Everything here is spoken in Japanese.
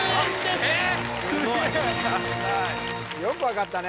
すごいよく分かったね